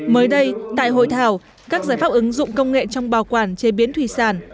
mới đây tại hội thảo các giải pháp ứng dụng công nghệ trong bảo quản chế biến thủy sản